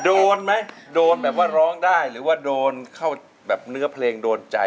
โดนไหมโดนแบบว่าร้องได้หรือว่าโดนเข้าแบบเนื้อเพลงโดนใจ